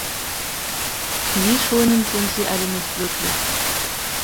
Knieschonend sind sie alle nicht wirklich.